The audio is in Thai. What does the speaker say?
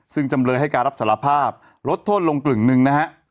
ซึ่งจำเลยให้การรับสารภาพลดโทษลงกึ่งหนึ่งนะฮะ